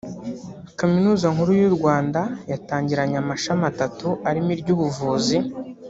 Kaminuza Nkuru y’u Rwanda yatangiranye amashami atatu arimo iry’ubuvuzi